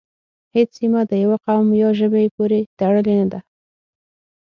هیڅ سیمه د یوه قوم یا ژبې پورې تړلې نه ده